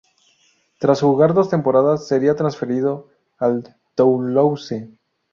Tras jugar dos temporadas sería transferido al Toulouse.